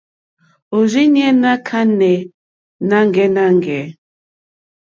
Òrzìɲɛ́ ná kánɛ̀ nâŋɡɛ́nâŋɡɛ̂.